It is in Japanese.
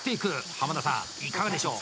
濱田さん、いかがでしょう？